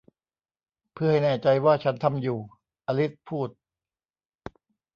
'เพื่อให้แน่ใจว่าฉันทำอยู่' อลิสพูด